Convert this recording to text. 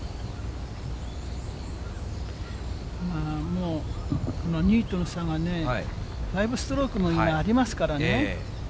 もう、２位との差がね、５ストロークも今、ありますからね。